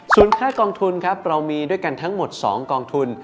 ส่วนค่ากองทุนครับเรามีด้วยกันทั้งหมด๒กองทุน